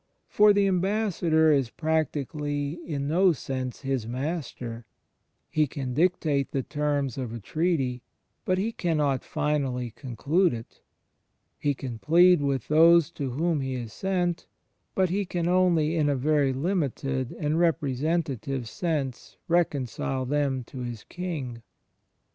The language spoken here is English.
For the ambassador is practically in no sense His Master: he can dictate the terms of a treaty, but he cannot finally conclude it: he can plead with those to whom he is sent, but he can only in a very limited and repre sentative sense reconcile them to His King.